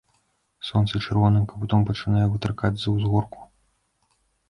Сонца чырвоным капытом пачынае вытыркаць з-за ўзгорку.